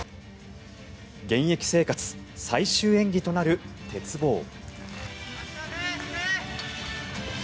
現役生活最終演技となる鉄棒。